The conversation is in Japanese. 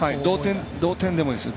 同点でもいいです。